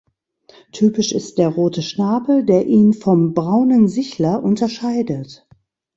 Typisch ist der rote Schnabel, der ihn vom Braunen Sichler unterscheidet.